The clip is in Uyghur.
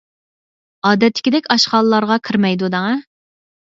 ئادەتتىكىدەك ئاشخانىلارغا كىرمەيدۇ دەڭە.